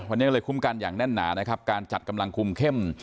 วันนี้ก็เลยคุ้มกันอย่างแน่นหนานะครับการจัดกำลังคุมเข้ม